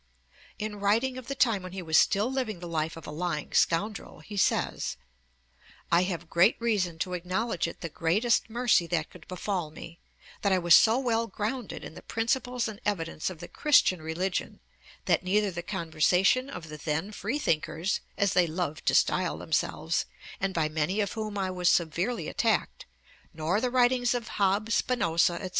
In writing of the time when he was still living the life of a lying scoundrel, he says: 'I have great reason to acknowledge it the greatest mercy that could befall me, that I was so well grounded in the principles and evidence of the Christian religion, that neither the conversation of the then freethinkers, as they loved to stile themselves, and by many of whom I was severely attacked, nor the writings of Hobbes, Spinosa, &c.